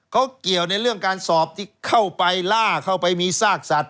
เขาเกี่ยวในเรื่องการสอบที่เข้าไปล่าเข้าไปมีซากสัตว